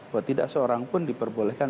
bahwa tidak seorang pun diperbolehkan